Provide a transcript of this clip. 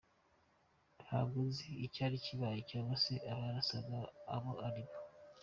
Ntabwo nzi icyari kibaye cyangwa se abarasaga abo ari bo.